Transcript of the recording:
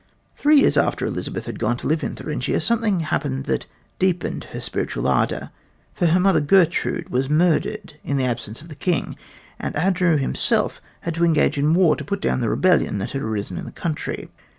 Three years after Elizabeth had gone to live in Thuringia something happened that deepened her spiritual ardor, for her mother, Gertrude, was murdered in the absence of the King, and Andrew himself had to engage in war to put down the rebellion that had arisen in his country.